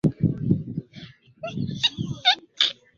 Natamani chapati ya mama yule